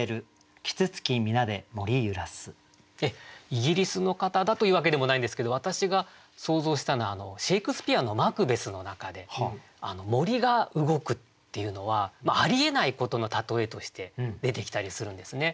イギリスの方だというわけでもないんですけど私が想像したのはシェークスピアの「マクベス」の中で森が動くっていうのはありえないことの例えとして出てきたりするんですね。